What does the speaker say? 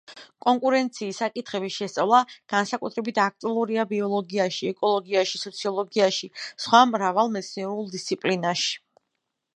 კონკურენციის საკითხების შესწავლა განსაკუთრებით აქტუალურია ბიოლოგიაში, ეკოლოგიაში, სოციოლოგიაში, სხვა მრავალ მეცნიერულ დისციპლინაში.